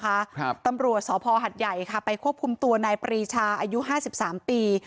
ครับตำรวจสพหัดใหญ่ค่ะไปควบคุมตัวนายปรีชาอายุห้าสิบสามปี